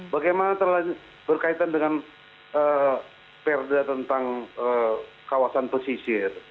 bagaimana berkaitan dengan perda tentang kawasan pesisir